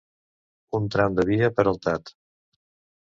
Un tram de via peraltat.